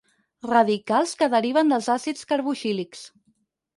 Radicals que deriven dels àcids carboxílics.